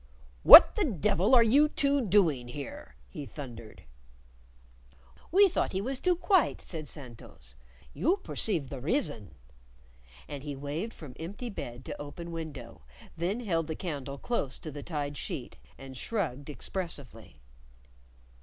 "What the devil are you two doing here?" he thundered. "We thought he was too quite," said Santos. "You percive the rizzon." And he waved from empty bed to open window, then held the candle close to the tied sheet, and shrugged expressively.